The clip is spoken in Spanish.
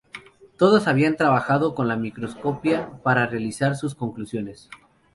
Todos habían trabajado con la microscopía para realizar sus conclusiones.